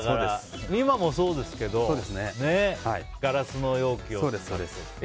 今もそうですけどガラスの容器を使ったりとか。